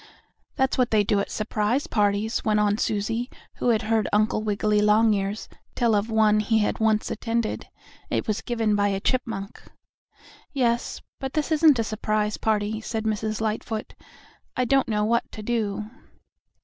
"That's what they do at surprise parties," went on Susie, who had heard Uncle Wiggily Longears tell of one he once attended. It was given by a chipmunk. "Yes, but this isn't a surprise party," said Mrs. Lightfoot. "I don't know what to do."